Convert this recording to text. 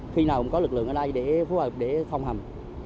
khi nào cũng có lực lượng ở đây để phối hợp để thông hầm